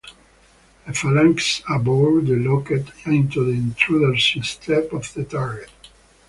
A Phalanx aboard the locked onto the Intruder instead of the target.